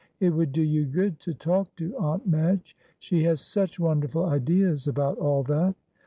It would do you good to talk to Aunt Madge; she has such wonderful ideas about all that.